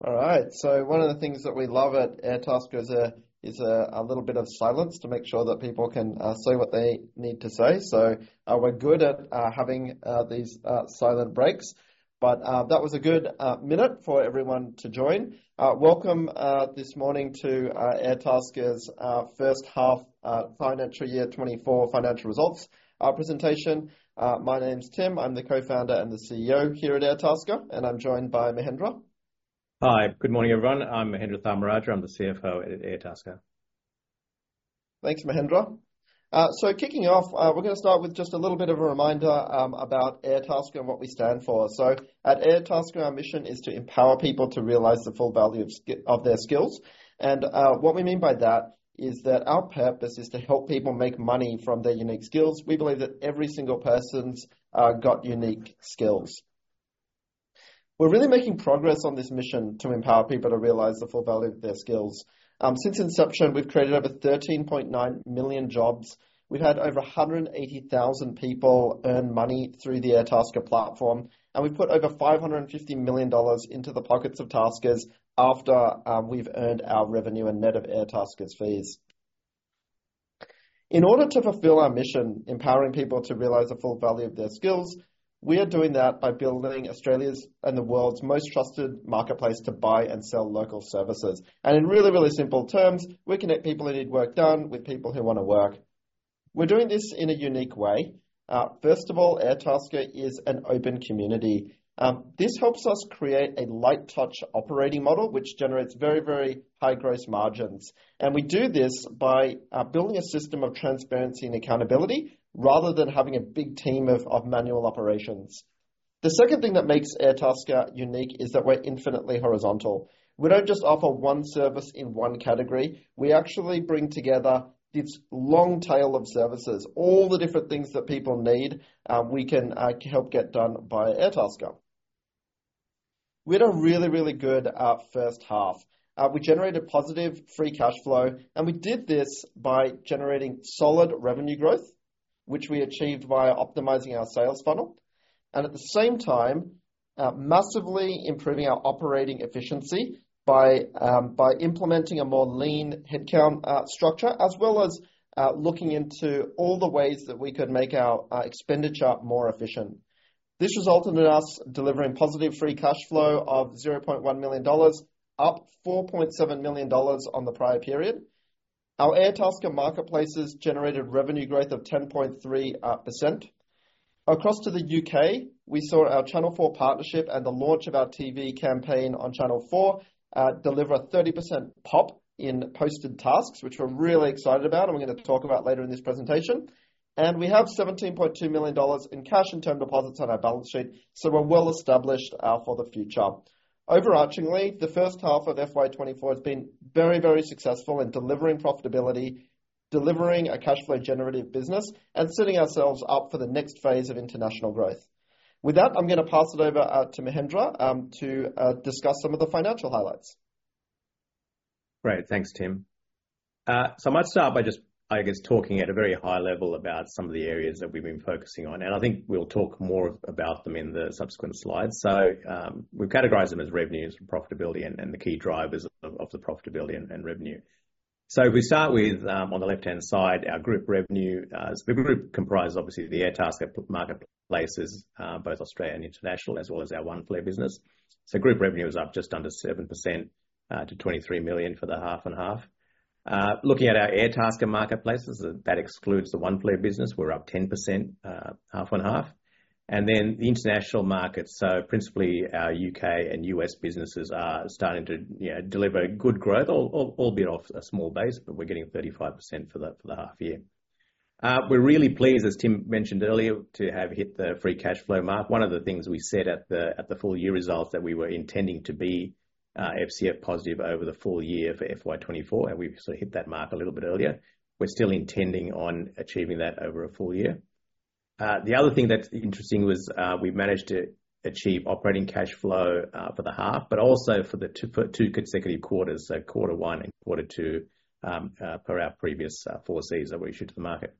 All right. So one of the things that we love at Airtasker is a little bit of silence to make sure that people can see what they need to say. So we're good at having these silent breaks. But that was a good minute for everyone to join. Welcome this morning to Airtasker's first half financial year 2024 financial results presentation. My name's Tim. I'm the co-founder and the CEO here at Airtasker. And I'm joined by Mahendra. Hi. Good morning, everyone. I'm Mahendra Tharmarajah. I'm the CFO at Airtasker. Thanks, Mahendra. So kicking off, we're going to start with just a little bit of a reminder about Airtasker and what we stand for. So at Airtasker, our mission is to empower people to realize the full value of their skills. And what we mean by that is that our purpose is to help people make money from their unique skills. We believe that every single person's got unique skills. We're really making progress on this mission to empower people to realize the full value of their skills. Since inception, we've created over 13.9 million jobs. We've had over 180,000 people earn money through the Airtasker platform. And we've put over 550 million dollars into the pockets of taskers after we've earned our revenue and net of Airtasker's fees. In order to fulfill our mission, empowering people to realize the full value of their skills, we are doing that by building Australia's and the world's most trusted marketplace to buy and sell local services. And in really, really simple terms, we connect people who need work done with people who want to work. We're doing this in a unique way. First of all, Airtasker is an open community. This helps us create a light-touch operating model which generates very, very high gross margins. And we do this by building a system of transparency and accountability rather than having a big team of manual operations. The second thing that makes Airtasker unique is that we're infinitely horizontal. We don't just offer one service in one category. We actually bring together this long tail of services. All the different things that people need, we can help get done via Airtasker. We had a really, really good first half. We generated positive free cash flow. We did this by generating solid revenue growth, which we achieved via optimizing our sales funnel. At the same time, massively improving our operating efficiency by implementing a more lean headcount structure, as well as looking into all the ways that we could make our expenditure more efficient. This resulted in us delivering positive free cash flow of 0.1 million dollars, up 4.7 million dollars on the prior period. Our Airtasker marketplaces generated revenue growth of 10.3%. Across to the U.K., we saw our Channel 4 partnership and the launch of our TV campaign on Channel 4 deliver a 30% pop in posted tasks, which we're really excited about. We're going to talk about later in this presentation. We have 17.2 million dollars in cash and term deposits on our balance sheet. So we're well established for the future. Overarchingly, the first half of FY 2024 has been very, very successful in delivering profitability, delivering a cash flow-generative business, and setting ourselves up for the next phase of international growth. With that, I'm going to pass it over to Mahendra to discuss some of the financial highlights. Great. Thanks, Tim. So I might start by just, I guess, talking at a very high level about some of the areas that we've been focusing on. And I think we'll talk more about them in the subsequent slides. So we've categorised them as revenues and profitability and the key drivers of the profitability and revenue. So if we start with, on the left-hand side, our group revenue. So the group comprises, obviously, the Airtasker marketplaces, both Australia and international, as well as our Oneflare business. So group revenue is up just under 7% to 23 million for the 50/50. Looking at our Airtasker marketplaces, that excludes the Oneflare business. We're up 10% 50/50. And then the international markets, so principally our U.K. and U.S. businesses, are starting to deliver good growth, albeit off a small base. But we're getting 35% for the half-year. We're really pleased, as Tim mentioned earlier, to have hit the free cash flow mark. One of the things we said at the full year results that we were intending to be FCF positive over the full year for FY 2024, and we sort of hit that mark a little bit earlier. We're still intending on achieving that over a full year. The other thing that's interesting was we've managed to achieve operating cash flow for the half, but also for the two consecutive quarters, so quarter one and quarter two per our previous forecasts that we issued to the market.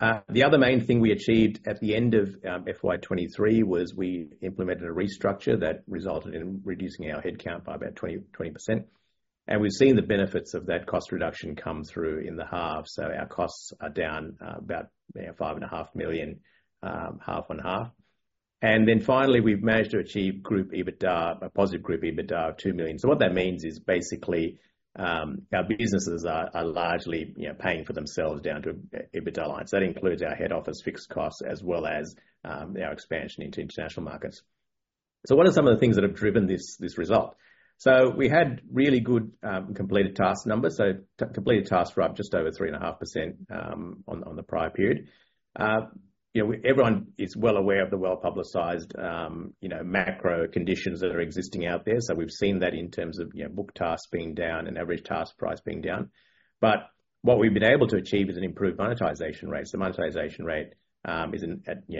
The other main thing we achieved at the end of FY 2023 was we implemented a restructure that resulted in reducing our headcount by about 20%. We've seen the benefits of that cost reduction come through in the half. So our costs are down about 5.5 million 50/50. And then finally, we've managed to achieve group EBITDA, a positive group EBITDA of 2 million. So what that means is, basically, our businesses are largely paying for themselves down to EBITDA lines. That includes our head office fixed costs, as well as our expansion into international markets. So what are some of the things that have driven this result? So we had really good completed task numbers, so completed tasks were up just over 3.5% on the prior period. Everyone is well aware of the well-publicized macro conditions that are existing out there. So we've seen that in terms of book tasks being down and average task price being down. But what we've been able to achieve is an improved monetization rate. So monetization rate is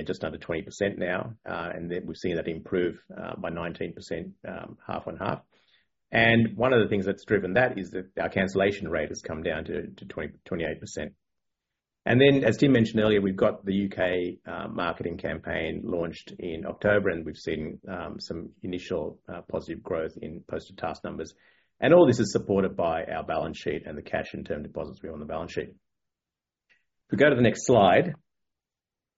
just under 20% now. And we've seen that improve by 19% 50/50. One of the things that's driven that is that our cancellation rate has come down to 28%. And then, as Tim mentioned earlier, we've got the U.K. marketing campaign launched in October. And we've seen some initial positive growth in posted task numbers. And all this is supported by our balance sheet and the cash and term deposits we have on the balance sheet. If we go to the next slide,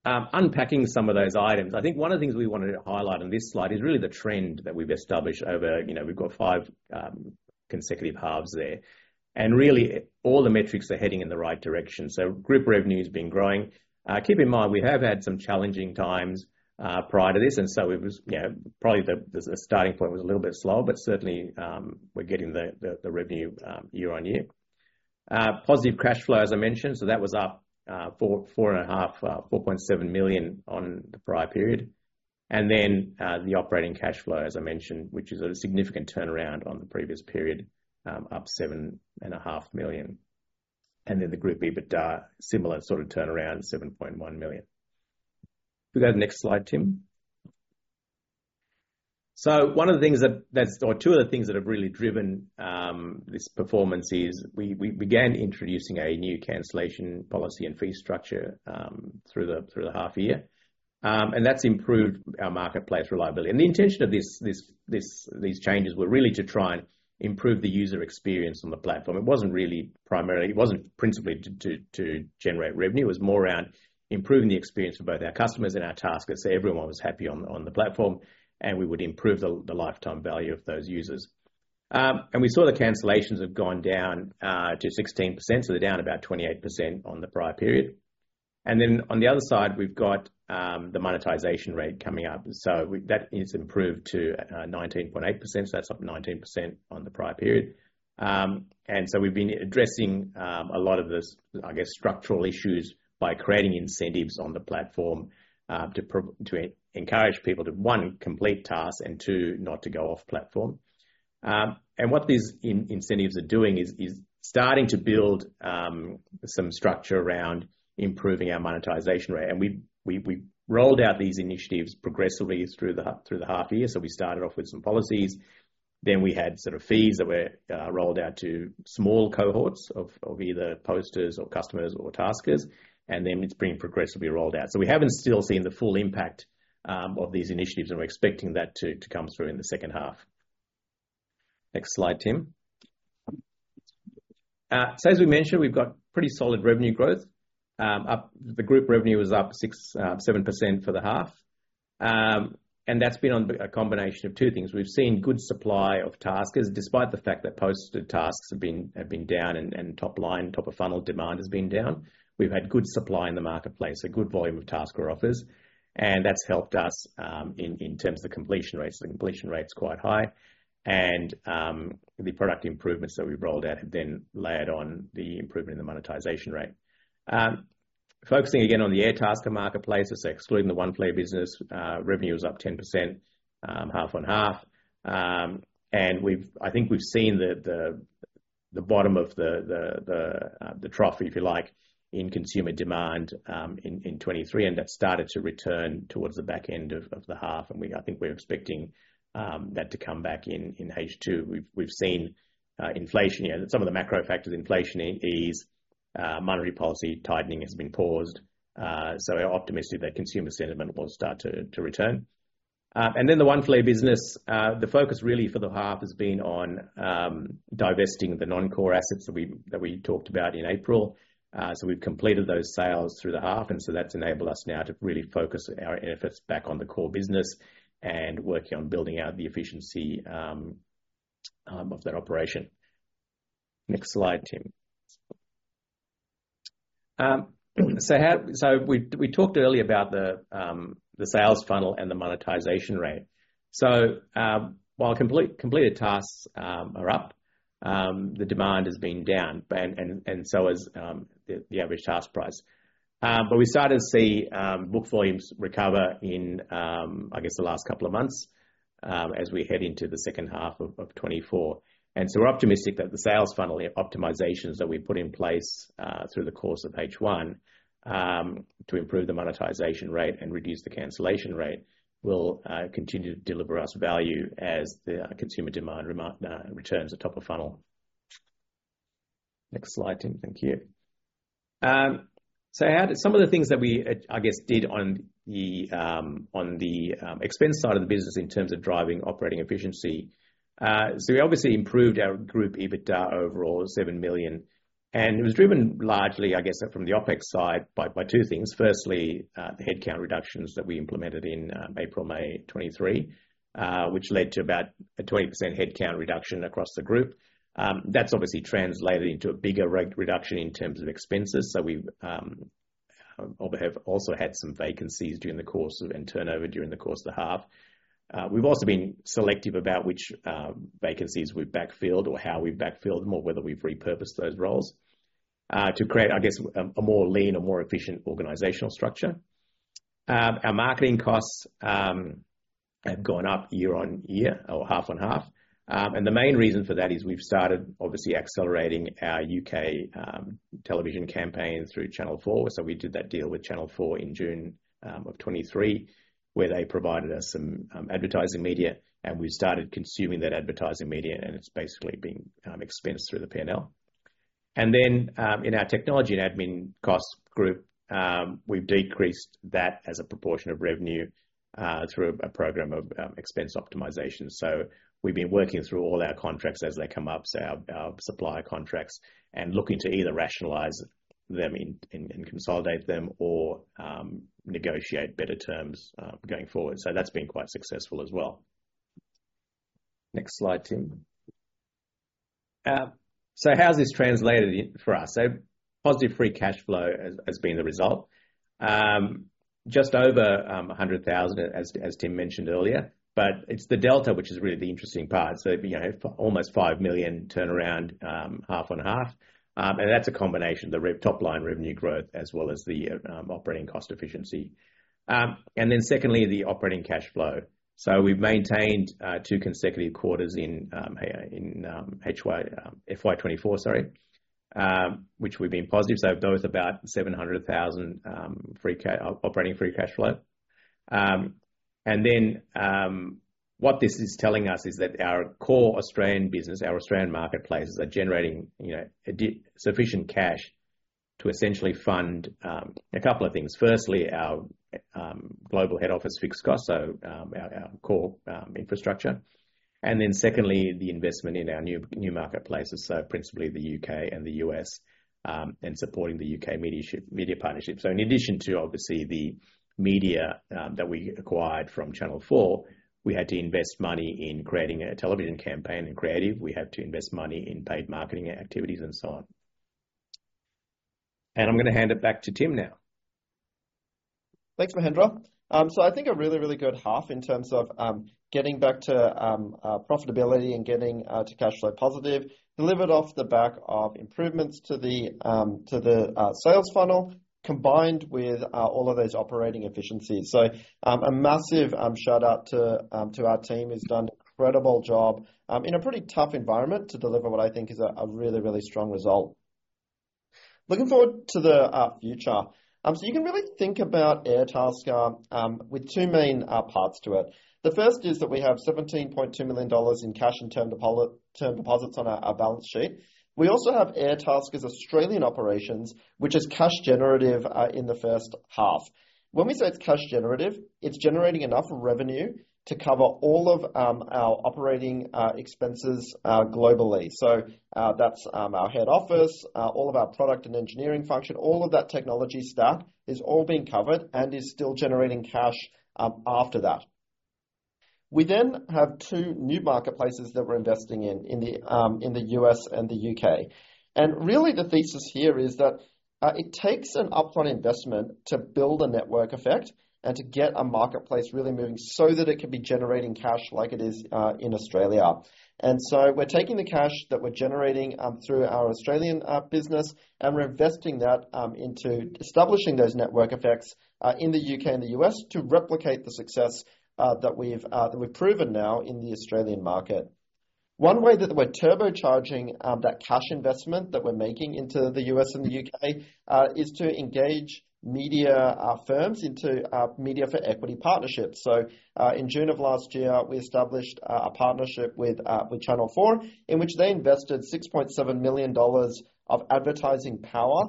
unpacking some of those items, I think one of the things we wanted to highlight on this slide is really the trend that we've established over we've got five consecutive halves there. And really, all the metrics are heading in the right direction. So group revenue has been growing. Keep in mind, we have had some challenging times prior to this. And so it was probably the starting point was a little bit slow. But certainly, we're getting the revenue year-over-year. Positive cash flow, as I mentioned. So that was up 4.5-4.7 million on the prior period. And then the operating cash flow, as I mentioned, which is a significant turnaround on the previous period, up 7.5 million. And then the group EBITDA, similar sort of turnaround, 7.1 million. If we go to the next slide, Tim. So onecof the things that's or two of the things that have really driven this performance is we began introducing a new cancellation policy and fee structure through the half-year. And that's improved our marketplace reliability. And the intention of these changes were really to try and improve the user experience on the platform. It wasn't really primarily it wasn't principally to generate revenue. It was more around improving the experience for both our customers and our taskers so everyone was happy on the platform. We would improve the lifetime value of those users. We saw the cancellations have gone down to 16%. They're down about 28% on the prior period. Then on the other side, we've got the monetization rate coming up. That has improved to 19.8%. That's up 19% on the prior period. We've been addressing a lot of this, I guess, structural issues by creating incentives on the platform to encourage people to, 1, complete tasks, and 2, not to go off-platform. What these incentives are doing is starting to build some structure around improving our monetization rate. We rolled out these initiatives progressively through the half-year. We started off with some policies. Then we had sort of fees that were rolled out to small cohorts of either posters or customers or taskers. Then it's been progressively rolled out. So we haven't still seen the full impact of these initiatives. We're expecting that to come through in the second half. Next slide, Tim. So as we mentioned, we've got pretty solid revenue growth. The group revenue was up 7% for the half. That's been on a combination of two things. We've seen good supply of taskers, despite the fact that posted tasks have been down and top-line, top-of-funnel demand has been down. We've had good supply in the marketplace, a good volume of tasker offers. That's helped us in terms of the completion rates. The completion rate's quite high. The product improvements that we've rolled out have then layered on the improvement in the monetization rate. Focusing, again, on the Airtasker marketplace, so excluding the Oneflare business, revenue was up 10% 50/50. And I think we've seen the bottom of the trough, if you like, in consumer demand in 2023. And that's started to return towards the back end of the half. And I think we're expecting that to come back in H2. We've seen inflation here. Some of the macro factors: inflation ease, monetary policy tightening has been paused. So we're optimistic that consumer sentiment will start to return. And then the Oneflare business, the focus really for the half has been on divesting the non-core assets that we talked about in April. So we've completed those sales through the half. And so that's enabled us now to really focus our efforts back on the core business and working on building out the efficiency of that operation. Next slide, Tim. So we talked earlier about the sales funnel and the monetization rate. So while completed tasks are up, the demand has been down. And so has the average task price. But we started to see book volumes recover in, I guess, the last couple of months as we head into the second half of 2024. And so we're optimistic that the sales funnel optimisations that we put in place through the course of H1 to improve the monetization rate and reduce the cancellation rate will continue to deliver us value as the consumer demand returns at top of funnel. Next slide, Tim. Thank you. So some of the things that we, I guess, did on the expense side of the business in terms of driving operating efficiency. So we obviously improved our group EBITDA overall, 7 million. And it was driven largely, I guess, from the OpEx side by two things. Firstly, the headcount reductions that we implemented in April, May 2023, which led to about a 20% headcount reduction across the group. That's obviously translated into a bigger reduction in terms of expenses. So we have also had some vacancies during the course of and turnover during the course of the half. We've also been selective about which vacancies we've backfilled or how we've backfilled them or whether we've repurposed those roles to create, I guess, a more lean or more efficient organizational structure. Our marketing costs have gone up year on year or 50/50. And the main reason for that is we've started, obviously, accelerating our U.K. television campaign through Channel 4. So we did that deal with Channel 4 in June 2023, where they provided us some advertising media. We started consuming that advertising media. It's basically been expensed through the P&L. Then in our technology and admin costs group, we've decreased that as a proportion of revenue through a program of expense optimization. So we've been working through all our contracts as they come up, so our supplier contracts, and looking to either rationalize them and consolidate them or negotiate better terms going forward. So that's been quite successful as well. Next slide, Tim. So how's this translated for us? Positive free cash flow has been the result, just over 100,000 as Tim mentioned earlier. But it's the delta, which is really the interesting part. Almost 5 million turnaround 50/50. That's a combination of the top-line revenue growth as well as the operating cost efficiency. Then secondly, the operating cash flow. So we've maintained two consecutive quarters in FY 2024, sorry, which we've been positive. So both about 700,000 operating free cash flow. And then what this is telling us is that our core Australian business, our Australian marketplaces, are generating sufficient cash to essentially fund a couple of things. Firstly, our global head office fixed costs, so our core infrastructure. And then secondly, the investment in our new marketplaces, so principally the UK and the US, and supporting the UK media partnership. So in addition to, obviously, the media that we acquired from Channel 4, we had to invest money in creating a television campaign and creative. We had to invest money in paid marketing activities and so on. And I'm going to hand it back to Tim now. Thanks, Mahendra. So I think a really, really good half in terms of getting back to profitability and getting to cash flow positive, delivered off the back of improvements to the sales funnel combined with all of those operating efficiencies. So a massive shout-out to our team. They've done an incredible job in a pretty tough environment to deliver what I think is a really, really strong result. Looking forward to the future. So you can really think about Airtasker with two main parts to it. The first is that we have 17.2 million dollars in cash and term deposits on our balance sheet. We also have Airtasker's Australian operations, which is cash generative in the first half. When we say it's cash generative, it's generating enough revenue to cover all of our operating expenses globally. So that's our head office, all of our product and engineering function. All of that technology stack is all being covered and is still generating cash after that. We then have two new marketplaces that we're investing in, in the U.S. and the U.K. Really, the thesis here is that it takes an upfront investment to build a network effect and to get a marketplace really moving so that it can be generating cash like it is in Australia. So we're taking the cash that we're generating through our Australian business. We're investing that into establishing those network effects in the U.K. and the U.S. to replicate the success that we've proven now in the Australian market. One way that we're turbocharging that cash investment that we're making into the U.S. and the U.K. is to engage media firms into Media for Equity partnerships. In June of last year, we established a partnership with Channel 4, in which they invested 6.7 million dollars of advertising power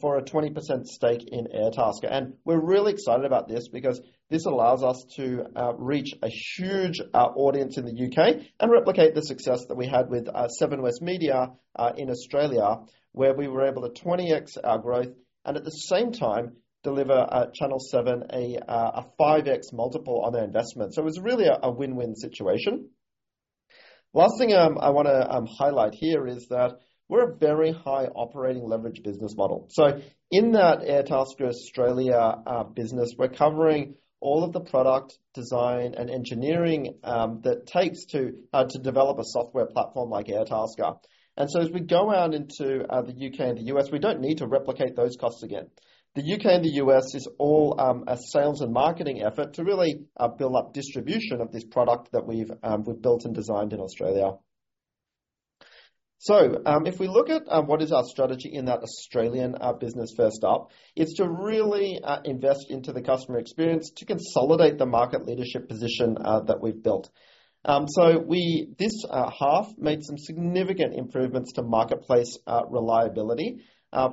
for a 20% stake in Airtasker. We're really excited about this because this allows us to reach a huge audience in the U.K. and replicate the success that we had with Seven West Media in Australia, where we were able to 20X our growth and, at the same time, deliver Channel 7 a 5X multiple on their investment. It was really a win-win situation. Last thing I want to highlight here is that we're a very high operating leverage business model. In that Airtasker Australia business, we're covering all of the product, design, and engineering that takes to develop a software platform like Airtasker. And so as we go out into the U.K. and the U.S., we don't need to replicate those costs again. The U.K. and the U.S. is all a sales and marketing effort to really build up distribution of this product that we've built and designed in Australia. So if we look at what is our strategy in that Australian business first up, it's to really invest into the customer experience to consolidate the market leadership position that we've built. So this half made some significant improvements to marketplace reliability,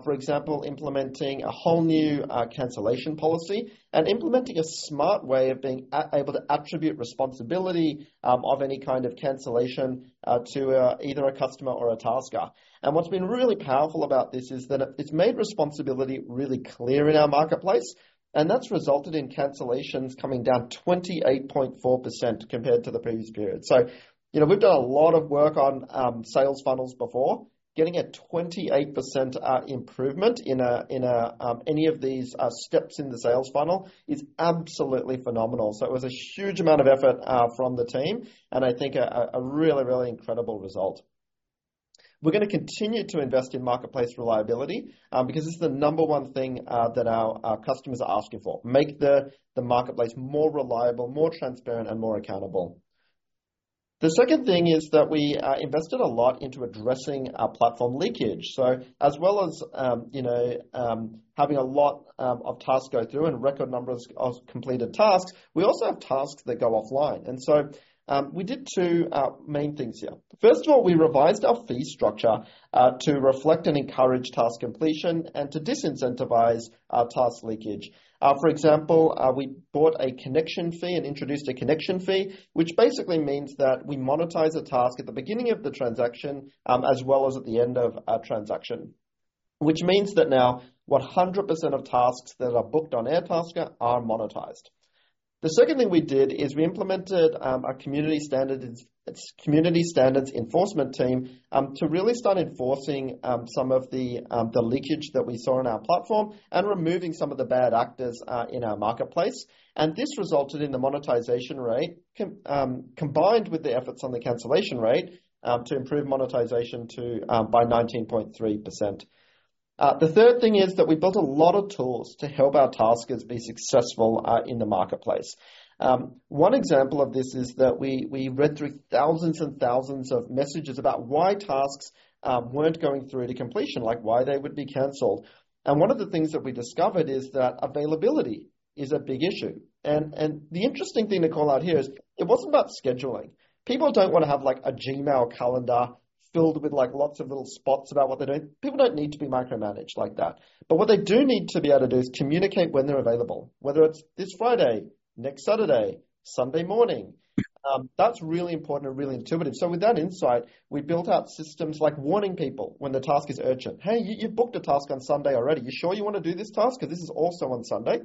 for example, implementing a whole new cancellation policy and implementing a smart way of being able to attribute responsibility of any kind of cancellation to either a customer or a tasker. And what's been really powerful about this is that it's made responsibility really clear in our marketplace. And that's resulted in cancellations coming down 28.4% compared to the previous period. So we've done a lot of work on sales funnels before. Getting a 28% improvement in any of these steps in the sales funnel is absolutely phenomenal. So it was a huge amount of effort from the team. And I think a really, really incredible result. We're going to continue to invest in marketplace reliability because it's the number one thing that our customers are asking for: make the marketplace more reliable, more transparent, and more accountable. The second thing is that we invested a lot into addressing platform leakage. So as well as having a lot of tasks go through and record numbers of completed tasks, we also have tasks that go offline. And so we did two main things here. First of all, we revised our fee structure to reflect and encourage task completion and to disincentivise task leakage. For example, we bought a connection fee and introduced a connection fee, which basically means that we monetize a task at the beginning of the transaction as well as at the end of a transaction, which means that now 100% of tasks that are booked on Airtasker are monetized. The second thing we did is we implemented a community standards enforcement team to really start enforcing some of the leakage that we saw in our platform and removing some of the bad actors in our marketplace. And this resulted in the monetization rate combined with the efforts on the cancellation rate to improve monetization by 19.3%. The third thing is that we built a lot of tools to help our taskers be successful in the marketplace. One example of this is that we read through thousands and thousands of messages about why tasks weren't going through to completion, like why they would be cancelled. One of the things that we discovered is that availability is a big issue. The interesting thing to call out here is it wasn't about scheduling. People don't want to have a Gmail calendar filled with lots of little spots about what they're doing. People don't need to be micromanaged like that. What they do need to be able to do is communicate when they're available, whether it's this Friday, next Saturday, Sunday morning. That's really important and really intuitive. With that insight, we built out systems like warning people when the task is urgent. "Hey, you've booked a task on Sunday already. You sure you want to do this task because this is also on Sunday?"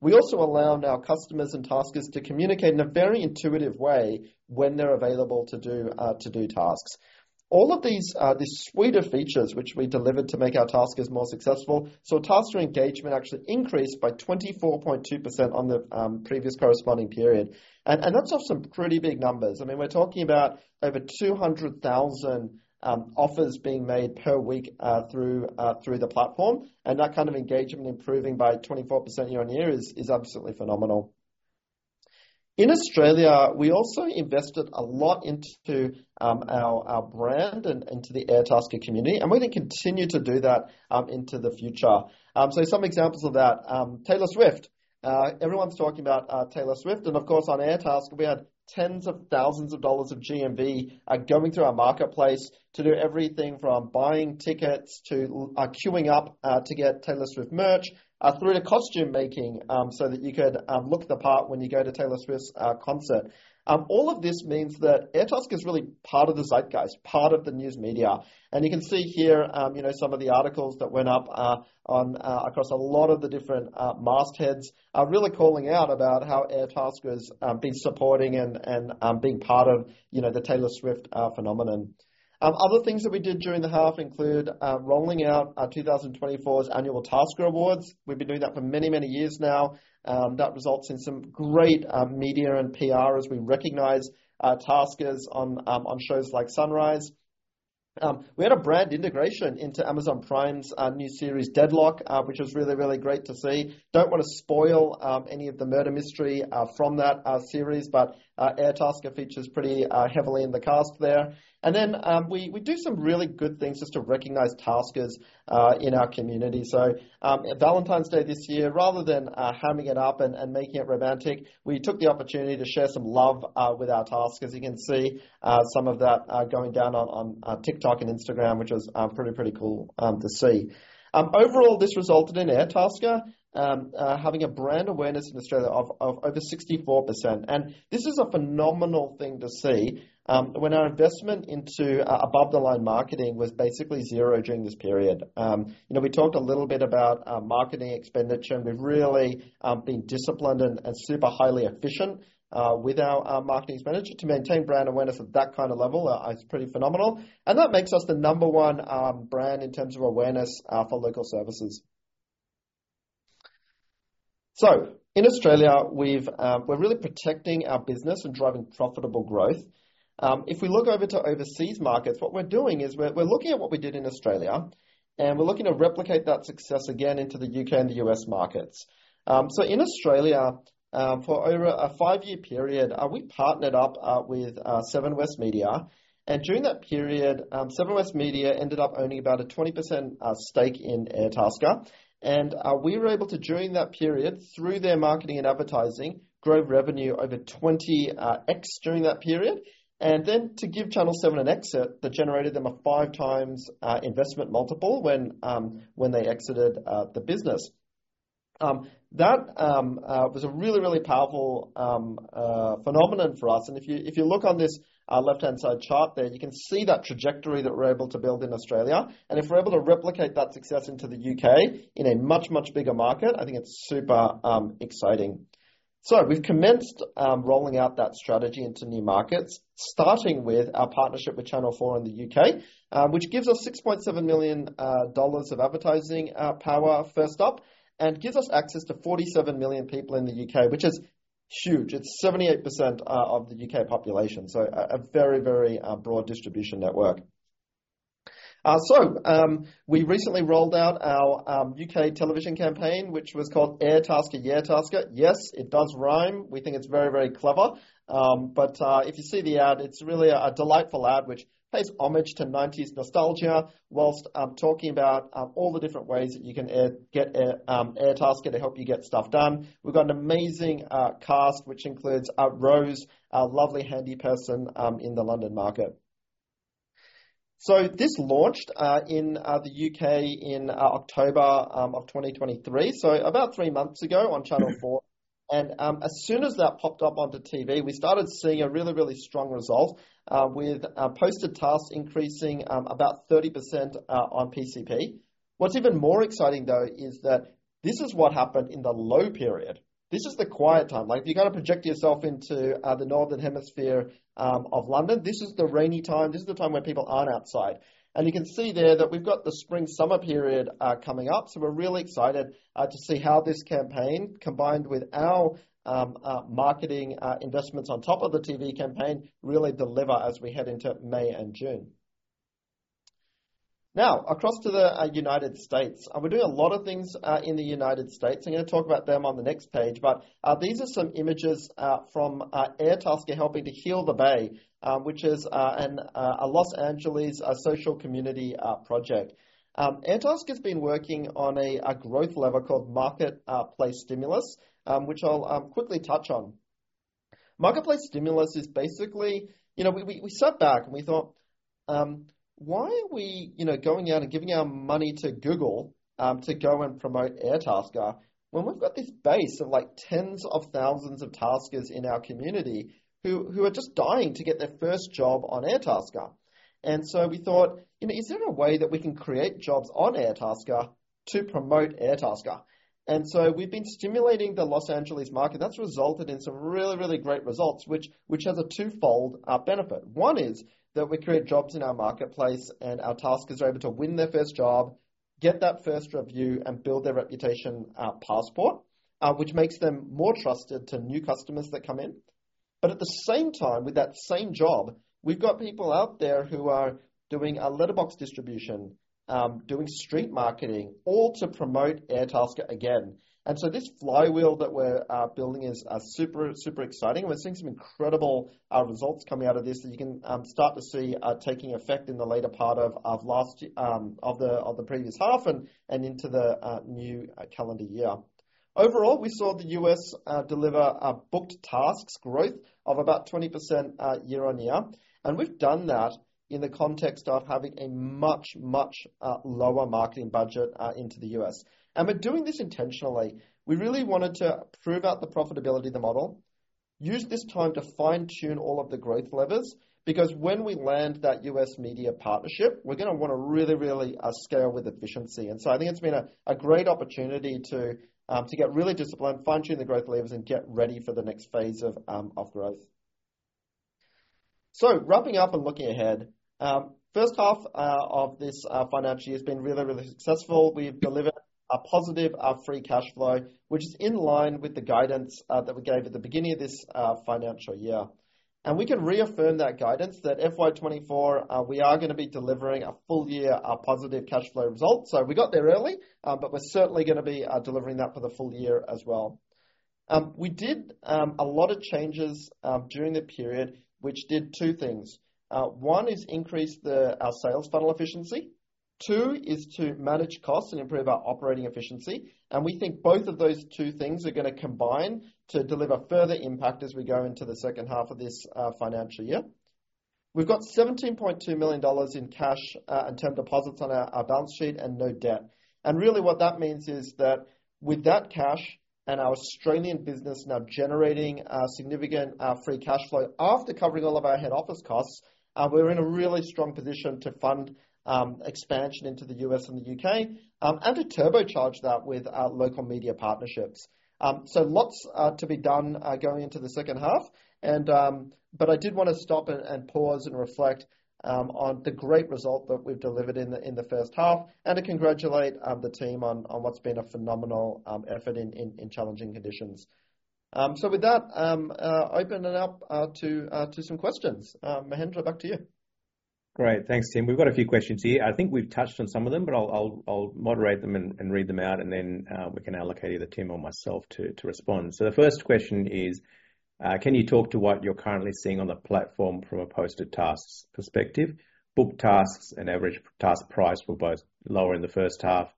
We also allow now customers and taskers to communicate in a very intuitive way when they're available to do tasks. All of this suite of features, which we delivered to make our taskers more successful. So task engagement actually increased by 24.2% on the previous corresponding period. And that's off some pretty big numbers. I mean, we're talking about over 200,000 offers being made per week through the platform. And that kind of engagement improving by 24% year-on-year is absolutely phenomenal. In Australia, we also invested a lot into our brand and into the Airtasker community. And we're going to continue to do that into the future. So some examples of that: Taylor Swift. Everyone's talking about Taylor Swift. Of course, on Airtasker, we had AUD tens of thousands of GMV going through our marketplace to do everything from buying tickets to queuing up to get Taylor Swift merch through to costume making so that you could look the part when you go to Taylor Swift's concert. All of this means that Airtasker is really part of the zeitgeist, part of the news media. You can see here some of the articles that went up across a lot of the different mastheads are really calling out about how Airtasker's been supporting and being part of the Taylor Swift phenomenon. Other things that we did during the half include rolling out 2024's annual Tasker Awards. We've been doing that for many, many years now. That results in some great media and PR as we recognize taskers on shows like Sunrise. We had a brand integration into Amazon Prime's new series, Deadloch, which was really, really great to see. Don't want to spoil any of the murder mystery from that series. But Airtasker features pretty heavily in the cast there. And then we do some really good things just to recognize taskers in our community. So Valentine's Day this year, rather than hamming it up and making it romantic, we took the opportunity to share some love with our taskers. As you can see, some of that going down on TikTok and Instagram, which was pretty, pretty cool to see. Overall, this resulted in Airtasker having a brand awareness in Australia of over 64%. And this is a phenomenal thing to see when our investment into above-the-line marketing was basically zero during this period. We talked a little bit about marketing expenditure. And we've really been disciplined and super highly efficient with our marketing manager. To maintain brand awareness at that kind of level, it's pretty phenomenal. And that makes us the number one brand in terms of awareness for local services. So in Australia, we're really protecting our business and driving profitable growth. If we look over to overseas markets, what we're doing is we're looking at what we did in Australia. And we're looking to replicate that success again into the U.K. and the U.S. markets. So in Australia, for over a five-year period, we partnered up with Seven West Media. And during that period, Seven West Media ended up owning about a 20% stake in Airtasker. And we were able to, during that period, through their marketing and advertising, grow revenue over 20x during that period. And then to give Channel 7 an exit, that generated them a 5x investment multiple when they exited the business. That was a really, really powerful phenomenon for us. And if you look on this left-hand side chart there, you can see that trajectory that we're able to build in Australia. And if we're able to replicate that success into the U.K. in a much, much bigger market, I think it's super exciting. So we've commenced rolling out that strategy into new markets, starting with our partnership with Channel 4 in the U.K., which gives us 6.7 million dollars of advertising power first up and gives us access to 47 million people in the U.K., which is huge. It's 78% of the U.K. population. So a very, very broad distribution network. So we recently rolled out our U.K. television campaign, which was called Airtasker Yeartasker. Yes, it does rhyme. We think it's very, very clever. But if you see the ad, it's really a delightful ad which pays homage to '90s nostalgia whilst talking about all the different ways that you can get Airtasker to help you get stuff done. We've got an amazing cast, which includes Rose, a lovely, handy person in the London market. So this launched in the UK in October of 2023, so about three months ago on Channel 4. And as soon as that popped up onto TV, we started seeing a really, really strong result with posted tasks increasing about 30% on PCP. What's even more exciting, though, is that this is what happened in the low period. This is the quiet time. If you're going to project yourself into the northern hemisphere of London, this is the rainy time. This is the time where people aren't outside. You can see there that we've got the spring/summer period coming up. We're really excited to see how this campaign, combined with our marketing investments on top of the TV campaign, really deliver as we head into May and June. Now, across to the United States, we're doing a lot of things in the United States. I'm going to talk about them on the next page. These are some images from Airtasker helping to Heal the Bay, which is a Los Angeles social community project. Airtasker's been working on a growth lever called Marketplace Stimulus, which I'll quickly touch on. Marketplace Stimulus is basically we sat back and we thought, "Why are we going out and giving our money to Google to go and promote Airtasker when we've got this base of tens of thousands of taskers in our community who are just dying to get their first job on Airtasker?" And so we thought, "Is there a way that we can create jobs on Airtasker to promote Airtasker?" And so we've been stimulating the Los Angeles market. That's resulted in some really, really great results, which has a twofold benefit. One is that we create jobs in our marketplace and our taskers are able to win their first job, get that first review, and build their reputation passport, which makes them more trusted to new customers that come in. But at the same time, with that same job, we've got people out there who are doing a letterbox distribution, doing street marketing, all to promote Airtasker again. And so this flywheel that we're building is super, super exciting. And we're seeing some incredible results coming out of this that you can start to see taking effect in the later part of the previous half and into the new calendar year. Overall, we saw the U.S. deliver booked tasks growth of about 20% year-on-year. And we've done that in the context of having a much, much lower marketing budget into the U.S. And we're doing this intentionally. We really wanted to prove out the profitability of the model, use this time to fine-tune all of the growth levers because when we land that U.S. media partnership, we're going to want to really, really scale with efficiency. I think it's been a great opportunity to get really disciplined, fine-tune the growth levers, and get ready for the next phase of growth. Wrapping up and looking ahead, first half of this financial year has been really, really successful. We've delivered a positive free cash flow, which is in line with the guidance that we gave at the beginning of this financial year. We can reaffirm that guidance that FY2024, we are going to be delivering a full year positive cash flow result. We got there early. We're certainly going to be delivering that for the full year as well. We did a lot of changes during the period, which did two things. One is increase our sales funnel efficiency. Two is to manage costs and improve our operating efficiency. We think both of those two things are going to combine to deliver further impact as we go into the second half of this financial year. We've got 17.2 million dollars in cash and term deposits on our balance sheet and no debt. Really, what that means is that with that cash and our Australian business now generating significant free cash flow after covering all of our head office costs, we're in a really strong position to fund expansion into the U.S. and the U.K. and to turbocharge that with local media partnerships. Lots to be done going into the second half. I did want to stop and pause and reflect on the great result that we've delivered in the first half and to congratulate the team on what's been a phenomenal effort in challenging conditions. With that, open it up to some questions. Mahendra, back to you. Great. Thanks, Tim. We've got a few questions here. I think we've touched on some of them. But I'll moderate them and read them out. And then we can allocate either Tim or myself to respond. So the first question is, can you talk to what you're currently seeing on the platform from a posted tasks perspective? Booked tasks and average task price were both lower in the first half.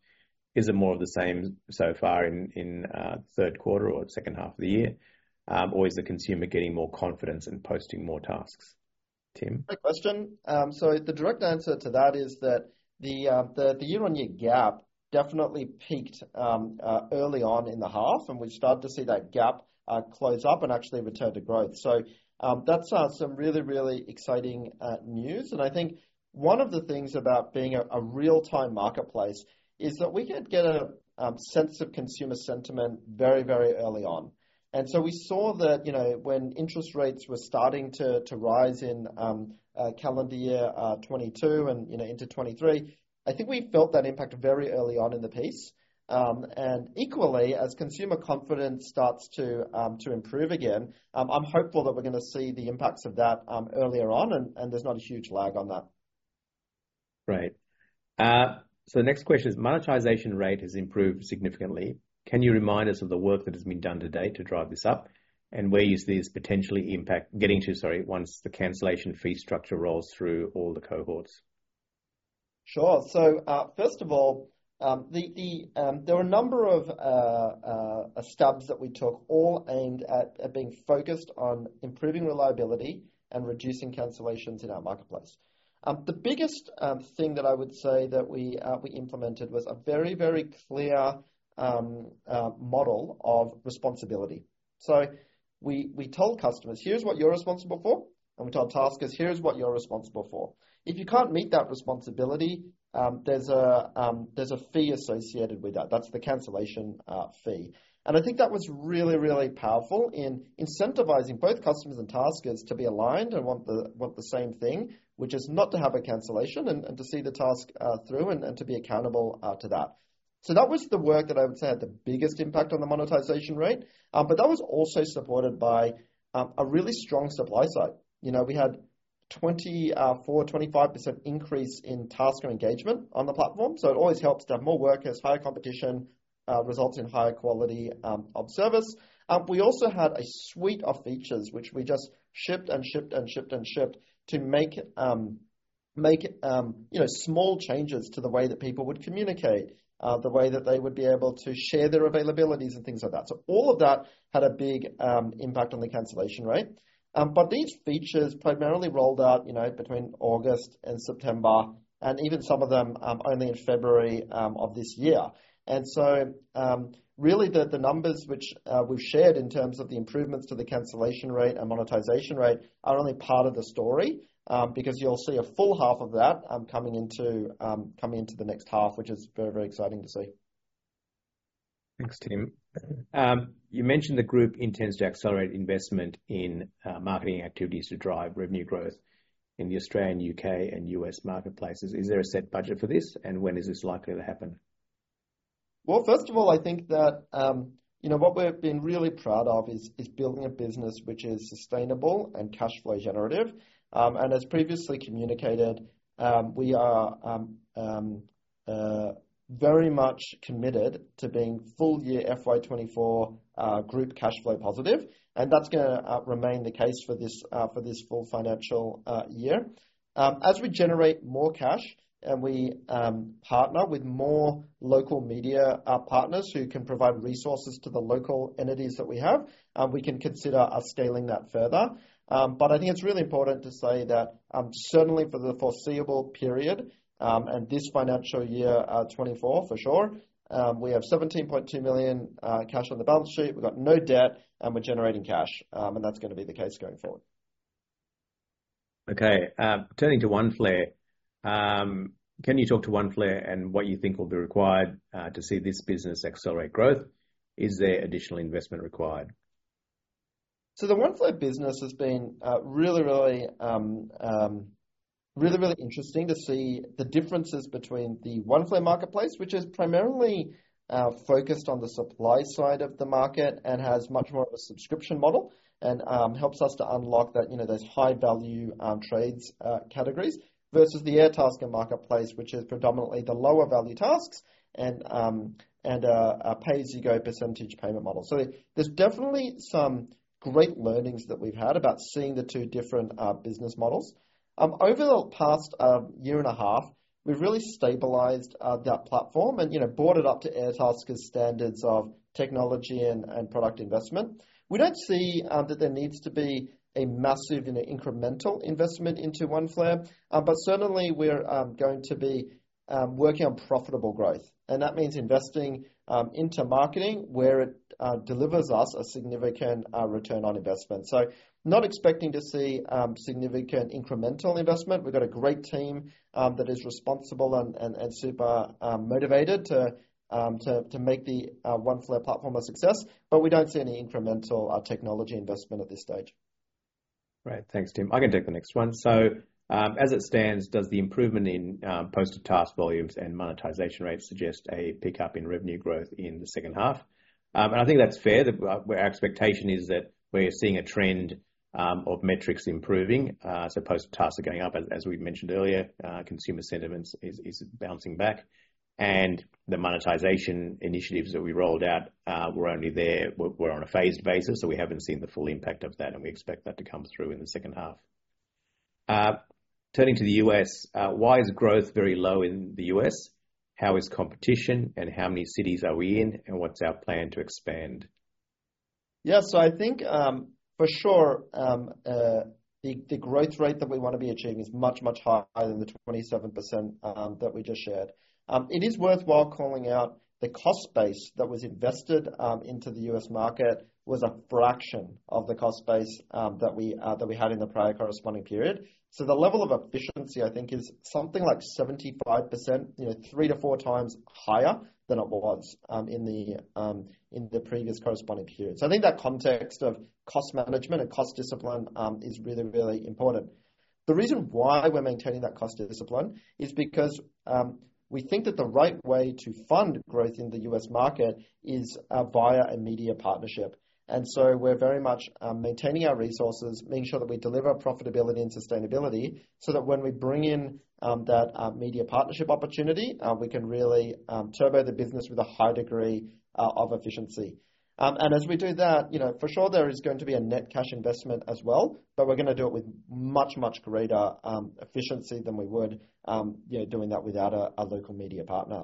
Is it more of the same so far in third quarter or second half of the year? Or is the consumer getting more confidence in posting more tasks, Tim? Great question. So the direct answer to that is that the year-over-year gap definitely peaked early on in the half. And we started to see that gap close up and actually return to growth. So that's some really, really exciting news. And I think one of the things about being a real-time marketplace is that we can get a sense of consumer sentiment very, very early on. And so we saw that when interest rates were starting to rise in calendar year 2022 and into 2023, I think we felt that impact very early on in the piece. And equally, as consumer confidence starts to improve again, I'm hopeful that we're going to see the impacts of that earlier on. And there's not a huge lag on that. Right. So the next question is, monetization rate has improved significantly. Can you remind us of the work that has been done to date to drive this up and where you see this potentially impact getting to, sorry, once the cancellation fee structure rolls through all the cohorts? Sure. So first of all, there were a number of stubs that we took all aimed at being focused on improving reliability and reducing cancellations in our marketplace. The biggest thing that I would say that we implemented was a very, very clear model of responsibility. So we told customers, "Here's what you're responsible for." And we told taskers, "Here's what you're responsible for." If you can't meet that responsibility, there's a fee associated with that. That's the cancellation fee. And I think that was really, really powerful in incentivizing both customers and taskers to be aligned and want the same thing, which is not to have a cancellation and to see the task through and to be accountable to that. So that was the work that I would say had the biggest impact on the monetization rate. But that was also supported by a really strong supply side. We had a 24%-25% increase in tasker engagement on the platform. So it always helps to have more workers, higher competition, results in higher quality of service. We also had a suite of features, which we just shipped and shipped and shipped and shipped to make small changes to the way that people would communicate, the way that they would be able to share their availabilities, and things like that. So all of that had a big impact on the cancellation rate. But these features primarily rolled out between August and September and even some of them only in February of this year. And so really, the numbers which we've shared in terms of the improvements to the cancellation rate and monetization rate are only part of the story because you'll see a full half of that coming into the next half, which is very, very exciting to see. Thanks, Tim. You mentioned the group intends to accelerate investment in marketing activities to drive revenue growth in the Australian, U.K., and U.S. marketplaces. Is there a set budget for this? And when is this likely to happen? Well, first of all, I think that what we've been really proud of is building a business which is sustainable and cash flow generative. As previously communicated, we are very much committed to being full-year FY 2024 group cash flow positive. That's going to remain the case for this full financial year. As we generate more cash and we partner with more local media partners who can provide resources to the local entities that we have, we can consider scaling that further. But I think it's really important to say that certainly, for the foreseeable period and this financial year 2024 for sure, we have 17.2 million cash on the balance sheet. We've got no debt. We're generating cash. That's going to be the case going forward. Okay. Turning to Oneflare, can you talk to Oneflare and what you think will be required to see this business accelerate growth? Is there additional investment required? The Oneflare business has been really, really, really, really interesting to see the differences between the Oneflare marketplace, which is primarily focused on the supply side of the market and has much more of a subscription model and helps us to unlock those high-value trades categories versus the Airtasker marketplace, which is predominantly the lower-value tasks and a pay-as-you-go percentage payment model. There's definitely some great learnings that we've had about seeing the two different business models. Over the past year and a half, we've really stabilized that platform and brought it up to Airtasker's standards of technology and product investment. We don't see that there needs to be a massive incremental investment into Oneflare. Certainly, we're going to be working on profitable growth. That means investing into marketing where it delivers us a significant return on investment. Not expecting to see significant incremental investment. We've got a great team that is responsible and super motivated to make the Oneflare platform a success. But we don't see any incremental technology investment at this stage. Right. Thanks, Tim. I can take the next one. So as it stands, does the improvement in posted task volumes and monetization rates suggest a pickup in revenue growth in the second half? And I think that's fair. Our expectation is that we're seeing a trend of metrics improving. So posted tasks are going up. As we mentioned earlier, consumer sentiment is bouncing back. And the monetization initiatives that we rolled out were only there. We're on a phased basis. So we haven't seen the full impact of that. And we expect that to come through in the second half. Turning to the U.S., why is growth very low in the U.S.? How is competition? And how many cities are we in? And what's our plan to expand? Yeah. So I think for sure, the growth rate that we want to be achieving is much, much higher than the 27% that we just shared. It is worthwhile calling out the cost base that was invested into the U.S. market was a fraction of the cost base that we had in the prior corresponding period. So the level of efficiency, I think, is something like 75%, 3-4x higher than it was in the previous corresponding period. So I think that context of cost management and cost discipline is really, really important. The reason why we're maintaining that cost discipline is because we think that the right way to fund growth in the U.S. market is via a media partnership. We're very much maintaining our resources, making sure that we deliver profitability and sustainability so that when we bring in that media partnership opportunity, we can really turbo the business with a high degree of efficiency. As we do that, for sure, there is going to be a net cash investment as well. We're going to do it with much, much greater efficiency than we would doing that without a local media partner.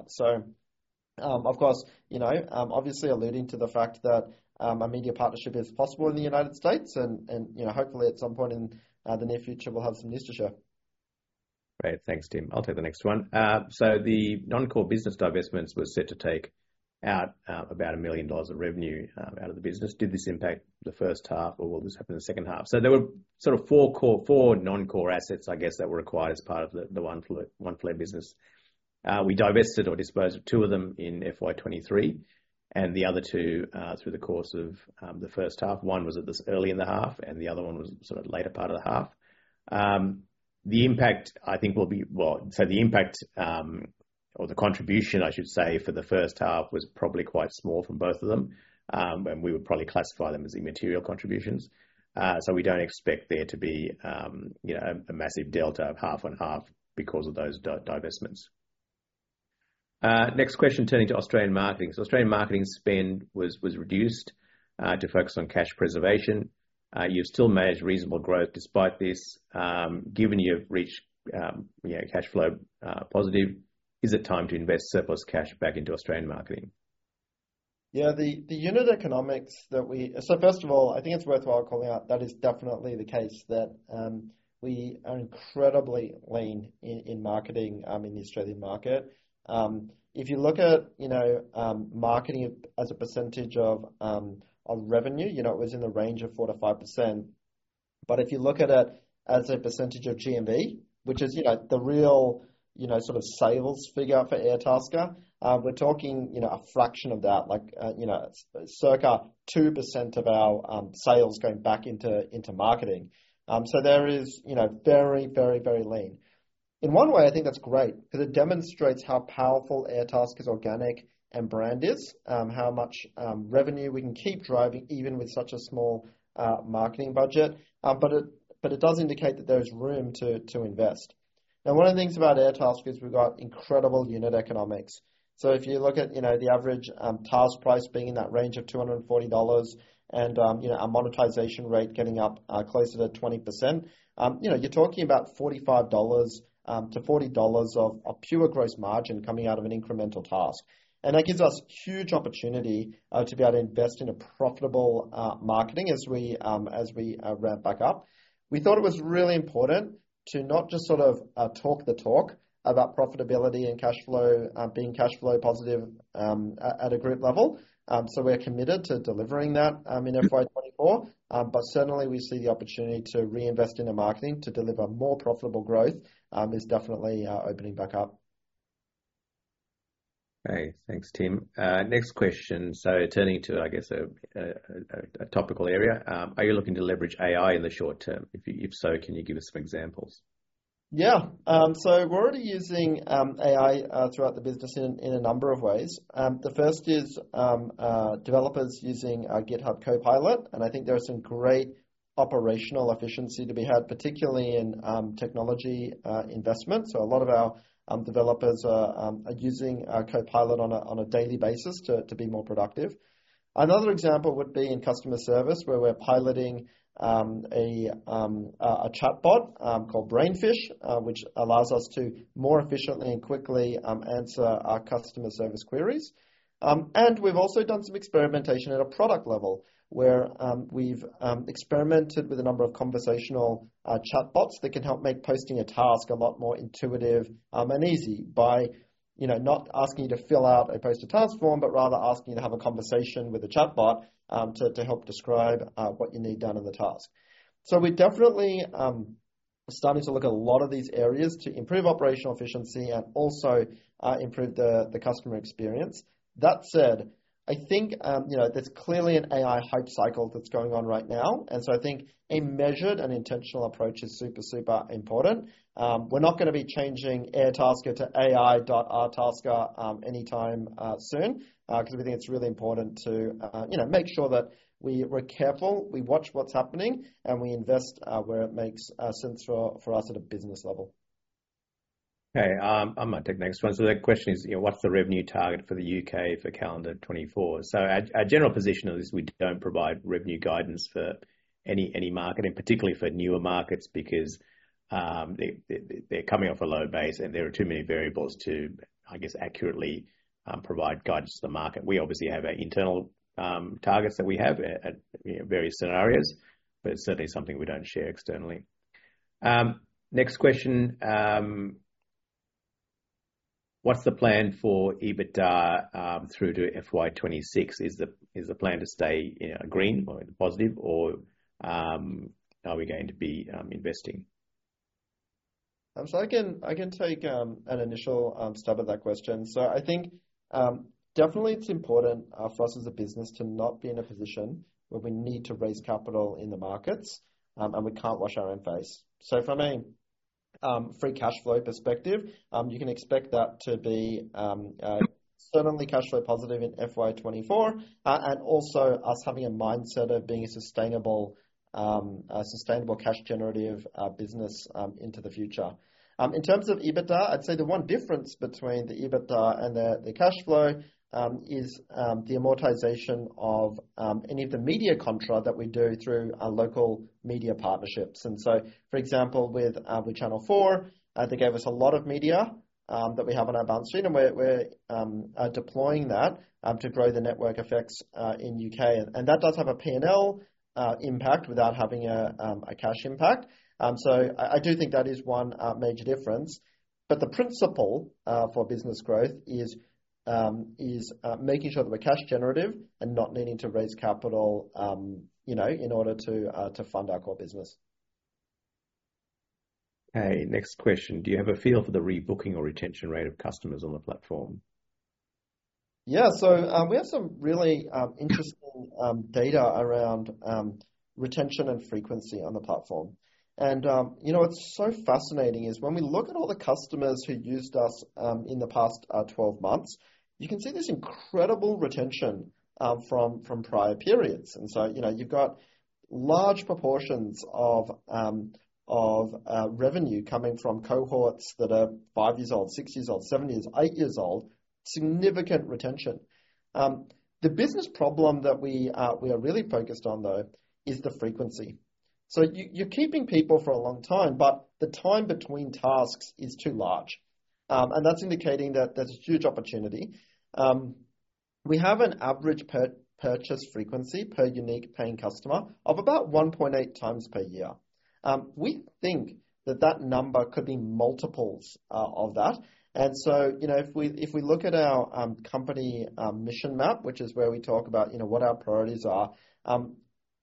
Of course, obviously alluding to the fact that a media partnership is possible in the United States. Hopefully, at some point in the near future, we'll have some news to share. Right. Thanks, Tim. I'll take the next one. So the non-core business divestments were set to take out about 1 million dollars of revenue out of the business. Did this impact the first half? Or will this happen in the second half? So there were sort of four non-core assets, I guess, that were required as part of the Oneflare business. We divested or disposed of two of them in FY 23. And the other two through the course of the first half. One was at this early in the half. And the other one was sort of later part of the half. The impact, I think, will be well, so the impact or the contribution, I should say, for the first half was probably quite small from both of them. And we would probably classify them as immaterial contributions. So we don't expect there to be a massive delta of 50/50 because of those divestments. Next question, turning to Australian marketing. Australian marketing spend was reduced to focus on cash preservation. You've still managed reasonable growth despite this. Given you have reached cash flow positive, is it time to invest surplus cash back into Australian marketing? Yeah. The unit economics that we so first of all, I think it's worthwhile calling out that is definitely the case, that we are incredibly lean in marketing in the Australian market. If you look at marketing as a percentage of revenue, it was in the range of 4%-5%. But if you look at it as a percentage of GMV, which is the real sort of sales figure for Airtasker, we're talking a fraction of that, like circa 2% of our sales going back into marketing. So there is very, very, very lean. In one way, I think that's great because it demonstrates how powerful Airtasker's organic and brand is, how much revenue we can keep driving even with such a small marketing budget. But it does indicate that there is room to invest. Now, one of the things about Airtasker is we've got incredible unit economics. So if you look at the average task price being in that range of 240 dollars and our monetization rate getting up closer to 20%, you're talking about 45-40 dollars of a pure gross margin coming out of an incremental task. And that gives us huge opportunity to be able to invest in a profitable marketing as we ramp back up. We thought it was really important to not just sort of talk the talk about profitability and being cash flow positive at a group level. So we're committed to delivering that in FY 2024. But certainly, we see the opportunity to reinvest in the marketing to deliver more profitable growth is definitely opening back up. Okay. Thanks, Tim. Next question. Turning to, I guess, a topical area, are you looking to leverage AI in the short term? If so, can you give us some examples? Yeah. So we're already using AI throughout the business in a number of ways. The first is developers using GitHub Copilot. I think there are some great operational efficiency to be had, particularly in technology investments. A lot of our developers are using Copilot on a daily basis to be more productive. Another example would be in customer service, where we're piloting a chatbot called Brainfish, which allows us to more efficiently and quickly answer our customer service queries. We've also done some experimentation at a product level, where we've experimented with a number of conversational chatbots that can help make posting a task a lot more intuitive and easy by not asking you to fill out a posted task form, but rather asking you to have a conversation with a chatbot to help describe what you need done in the task. So we're definitely starting to look at a lot of these areas to improve operational efficiency and also improve the customer experience. That said, I think there's clearly an AI hype cycle that's going on right now. And so I think a measured and intentional approach is super, super important. We're not going to be changing Airtasker to Airtasker anytime soon because we think it's really important to make sure that we're careful, we watch what's happening, and we invest where it makes sense for us at a business level. Okay. I might take the next one. So the question is, what's the revenue target for the U.K. for calendar 2024? So our general position is we don't provide revenue guidance for any market, and particularly for newer markets, because they're coming off a low base. And there are too many variables to, I guess, accurately provide guidance to the market. We obviously have our internal targets that we have at various scenarios. But it's certainly something we don't share externally. Next question. What's the plan for EBITDA through to FY 2026? Is the plan to stay green or positive? Or are we going to be investing? So I can take an initial stab at that question. So I think definitely, it's important for us as a business to not be in a position where we need to raise capital in the markets. And we can't wash our own face. So from a free cash flow perspective, you can expect that to be certainly cash flow positive in FY 2024 and also us having a mindset of being a sustainable cash-generative business into the future. In terms of EBITDA, I'd say the one difference between the EBITDA and the cash flow is the amortization of any of the media contra that we do through local media partnerships. And so, for example, with Channel 4, they gave us a lot of media that we have on our balance sheet. And we're deploying that to grow the network effects in UK. That does have a P&L impact without having a cash impact. I do think that is one major difference. The principle for business growth is making sure that we're cash-generative and not needing to raise capital in order to fund our core business. Okay. Next question. Do you have a feel for the rebooking or retention rate of customers on the platform? Yeah. So we have some really interesting data around retention and frequency on the platform. What's so fascinating is when we look at all the customers who used us in the past 12 months, you can see this incredible retention from prior periods. So you've got large proportions of revenue coming from cohorts that are 5 years old, 6 years old, 7 years, 8 years old, significant retention. The business problem that we are really focused on, though, is the frequency. You're keeping people for a long time. But the time between tasks is too large. That's indicating that there's a huge opportunity. We have an average purchase frequency per unique paying customer of about 1.8x per year. We think that that number could be multiples of that. If we look at our company Mission Map, which is where we talk about what our priorities are,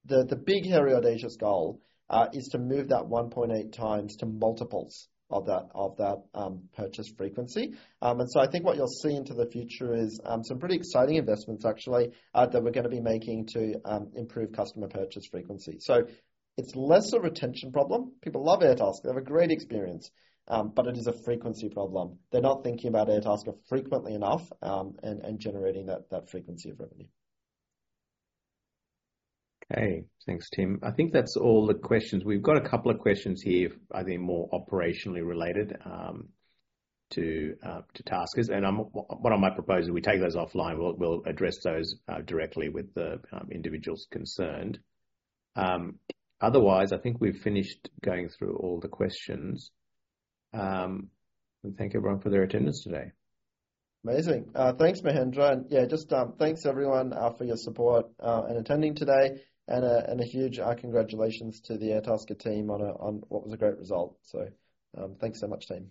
the big hairy audacious goal is to move that 1.8 times to multiples of that purchase frequency. I think what you'll see into the future is some pretty exciting investments, actually, that we're going to be making to improve customer purchase frequency. It's less a retention problem. People love Airtasker. They have a great experience. But it is a frequency problem. They're not thinking about Airtasker frequently enough and generating that frequency of revenue. Okay. Thanks, Tim. I think that's all the questions. We've got a couple of questions here, I think, more operationally related to Taskers. And what I might propose is we take those offline. We'll address those directly with the individuals concerned. Otherwise, I think we've finished going through all the questions. Thank everyone for their attendance today. Amazing. Thanks, Mahendra. And yeah, just thanks, everyone, for your support and attending today. And a huge congratulations to the Airtasker team on what was a great result. So thanks so much, Tim.